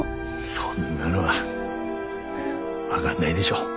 そんなの分がんないでしょう。